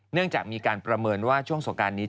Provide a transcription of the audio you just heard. เนื่องจากมีการประเมินว่าช่วงสงการนี้